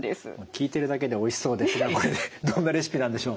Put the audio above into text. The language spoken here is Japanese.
聞いてるだけでおいしそうですがこれどんなレシピなんでしょう？